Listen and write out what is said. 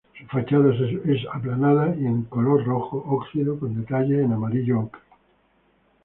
Su fachada es aplanada y en color rojo "óxido" con detalles en amarillo ocre.